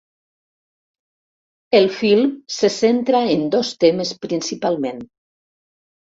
El film se centra en dos temes principalment.